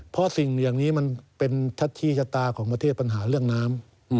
เพราะสิ่งอย่างนี้มันเป็นทัชชี้ชะตาของประเทศปัญหาเรื่องน้ำ